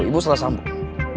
ibu salah sambung